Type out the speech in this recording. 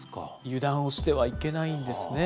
油断をしてはいけないんですね。